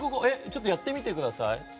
ちょっとやってみてください。